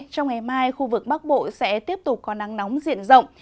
trong ngày mai khu vực bắc bộ sẽ tiếp tục có nắng nóng diện rộng